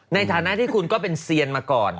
ในฐานะที่คุณก็เป็นเซียนมาก่อน